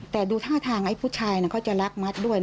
แต่ดูท่าทางไอ้ผู้ชายเขาจะรักมัดด้วย